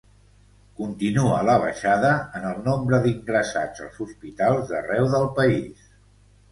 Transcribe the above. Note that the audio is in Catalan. Continua la baixada en el nombre d’ingressats als hospitals d’arreu del país.